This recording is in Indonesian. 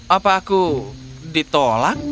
apa aku ditolak